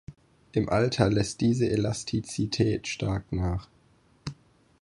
Im Alter lässt diese Elastizität stark nach.